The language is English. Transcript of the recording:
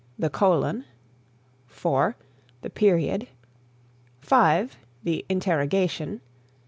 The Colon [:] 4. The Period [.] 5. The Interrogation [?